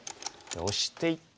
オシていって。